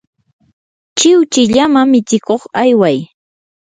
chiwchi llama mitsikuq ayway.